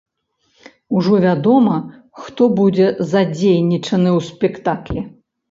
Ужо вядома, хто будзе задзейнічаны ў спектаклі.